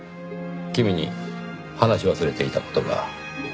君に話し忘れていた事が。